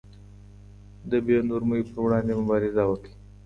د بې نورمۍ پر وړاندې مبارزه وکړئ.